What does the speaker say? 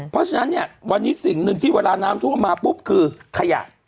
เพราะฉะนั้นเนี่ยวันนี้สิ่งหนึ่งที่เวลาน้ำท่วมมาปุ๊บคือขยะ